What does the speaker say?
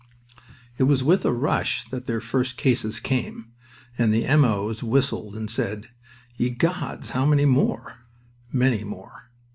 It was with a rush that their first cases came, and the M.O.'s whistled and said, "Ye gods! how many more?" Many more.